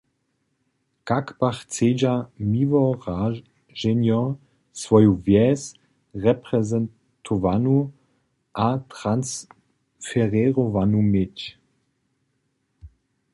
Kak pak chcedźa Miłoraženjo swoju wjes reprezentowanu a transferěrowanu měć?